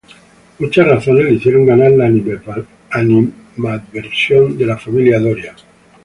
Muchas razones le hicieron ganar la animadversión de la familia Doria.